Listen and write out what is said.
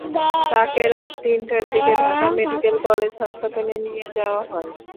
তাকে রাত তিনটার দিকে ঢাকা মেডিকেল কলেজ হাসপাতালে নিয়ে যাওয়া হয়।